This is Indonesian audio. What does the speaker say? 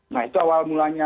nah itu awal mulanya